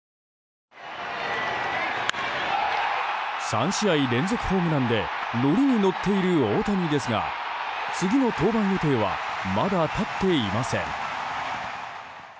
３試合連続ホームランで乗りに乗っている大谷ですが次の登板予定はまだ立っていません。